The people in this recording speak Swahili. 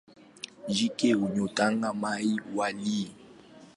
Jike huyataga mayai mawili.